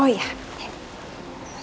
makan yang banyak sayang